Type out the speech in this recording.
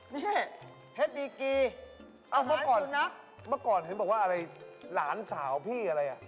นี่เฮ็ดดีกีหลานสุนัขอ้าวเมื่อก่อนเห็นบอกว่าอะไรหลานสาวพี่อะไร